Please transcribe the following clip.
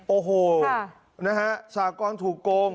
โอ้โหสหกรณ์ถูกโกง